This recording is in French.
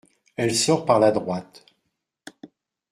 Elle sort par la droite.